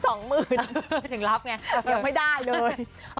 สองหมื่นยังไม่ได้เลย